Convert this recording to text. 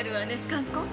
観光？